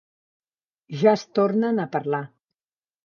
Ja es tornen a parlar.